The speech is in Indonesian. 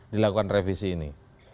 dilakukan revisi ini